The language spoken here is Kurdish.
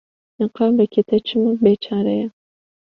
Laqabekî te çima bêçare ye?